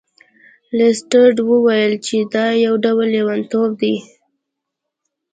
لیسټرډ وویل چې دا یو ډول لیونتوب دی.